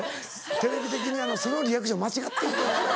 テレビ的にそのリアクション間違ってる。